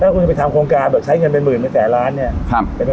คุณจะไปทำโครงการแบบใช้เงินเป็นหมื่นเป็นแสนล้านเนี่ย